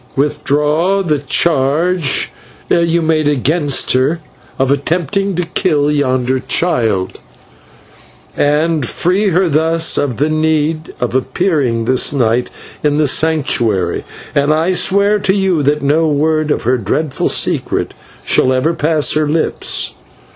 "Withdraw the charge you made against her, of attempting to kill yonder child, and free her thus of the need of appearing this night in the Sanctuary, and I swear to you that no word of her dreadful secret shall ever pass her lips.